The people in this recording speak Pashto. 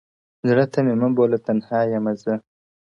زړه ته مي مه بــولـه تنـــهــــا يــمــــه زه؛